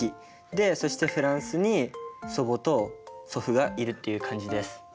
でそしてフランスに祖母と祖父がいるっていう感じです。